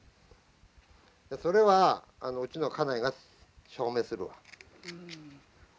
それはうちの家内が証明するわ。